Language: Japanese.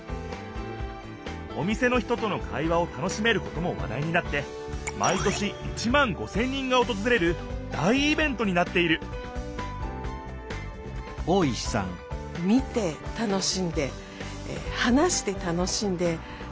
お店の人との会話を楽しめることも話題になって毎年１万５千人がおとずれる大イベントになっていると思っています。